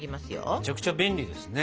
めちゃくちゃ便利ですね。